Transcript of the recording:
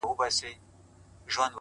علم د ناپوهۍ پر وړاندې سپر دی,